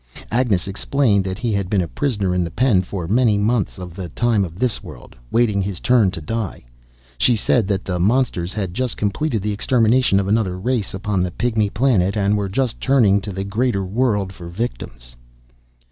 Agnes explained that he had been a prisoner in the pen for many months of the time of this world, waiting his turn to die; she said that the monsters had just completed the extermination of another race upon the Pygmy Planet, and were just turning to the greater world for victims.